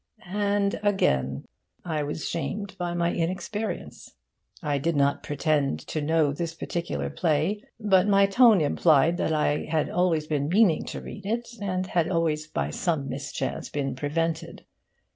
And again I was shamed by my inexperience. I did not pretend to know this particular play, but my tone implied that I had always been meaning to read it and had always by some mischance been prevented.